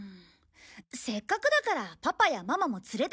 せっかくだからパパやママも連れてこよう！